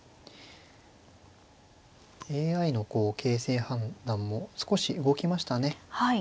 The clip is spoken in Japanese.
ＡＩの形勢判断も少し動きましたね。